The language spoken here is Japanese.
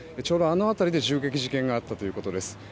ちょうどあの辺りで銃撃事件があったということです。